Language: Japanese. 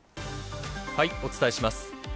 お伝えします。